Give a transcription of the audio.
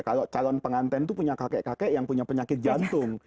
kalau calon pengantin itu punya kakek kakek yang punya penyakit jantung